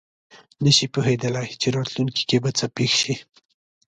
نه شي پوهېدلی چې راتلونکې کې به څه پېښ شي.